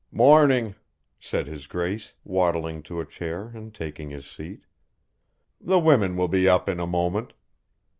"Morning," said his grace, waddling to a chair and taking his seat. "The women will be up in a moment."